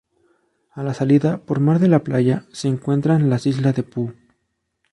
A la salida por mar de la playa se encuentran las Islas de Poo.